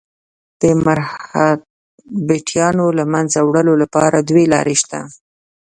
د مرهټیانو له منځه وړلو لپاره دوې لارې شته.